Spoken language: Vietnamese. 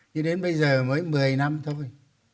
thì đến bây giờ mới một mươi năm thôi